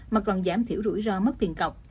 mà còn giảm thiểu rủi ro mất tiền cọc